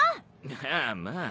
まあまあ。